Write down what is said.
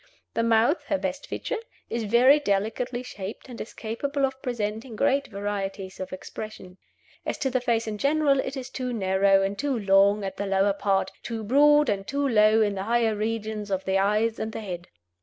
The mouth, her best feature, is very delicately shaped, and is capable of presenting great varieties of expression. As to the face in general, it is too narrow and too long at the lower part, too broad and too low in the higher regions of the eyes and the head.